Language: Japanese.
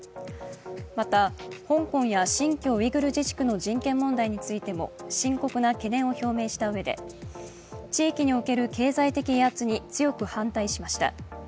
また香港や新疆ウイグル自治区の人権問題についても深刻な懸念を表明したうえで地域における経済的威圧に強く反対しました。